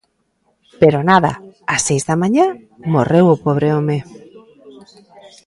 pero nada, ás seis da mañá morreu o pobre home.